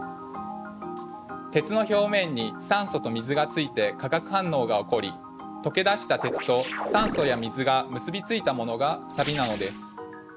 鉄の表面に酸素と水がついて化学反応が起こり溶け出した鉄と酸素や水が結び付いたものがサビなのです。